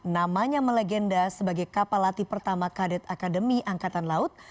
namanya melegenda sebagai kapal latih pertama kadet akademi angkatan laut